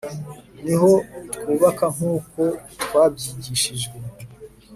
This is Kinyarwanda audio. Niho twubaka nkuko twabyigishijwe